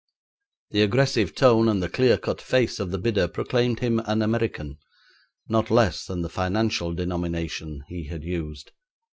The aggressive tone and the clear cut face of the bidder proclaimed him an American, not less than the financial denomination he had used.